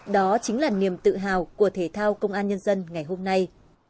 đó chính là niềm tự hào của thể thao công an nhân dân ngày hôm nay